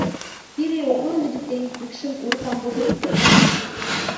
— Пире огыл лӱдыктен Пӱкшым ур камвозыктен.